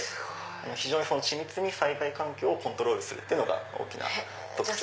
非常に緻密に栽培環境をコントロールするのが大きな特徴。